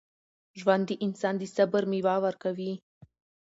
ژوند د انسان د صبر میوه ورکوي.